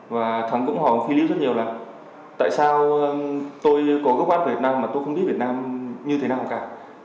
và thắng cũng hỏi ông philip rất nhiều là tại sao tôi có gốc gác của việt nam mà tôi không biết việt nam như thế nào cả